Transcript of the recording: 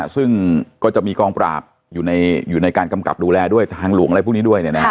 ซึ่งก็จะมีกองปราบอยู่ในการกำกับดูแลด้วยทางหลวงอะไรพวกนี้ด้วย